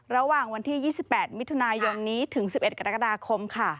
ระหว่างวันที่๒๘มิถุนายนนี้ถึง๑๑กรกฎาคมค่ะ